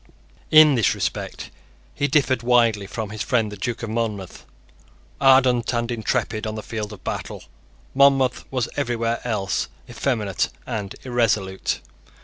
In this respect he differed widely from his friend the Duke of Monmouth. Ardent and intrepid on the field of battle, Monmouth was everywhere else effeminate and irresolute.